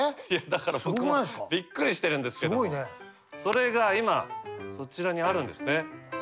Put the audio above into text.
だから僕もびっくりしてるんですけどもそれが今そちらにあるんですね。